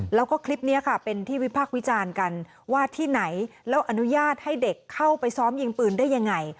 แล้วก็คลิปนี้ค่ะเป็นที่วิพากษ์วิจารณ์กันว่าที่ไหนแล้วอนุญาตให้เด็กเข้าไปซ้อมยิงปืนได้ยังไง